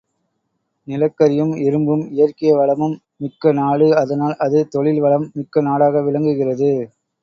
நிலக்கரி யும் இரும்பும் இயற்கை வளமும் மிக்க நாடு அதனால் அது தொழில் வளம் மிக்க நாடாக விளங்குகிறது.